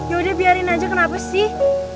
yaudah biarin aja kenapa sih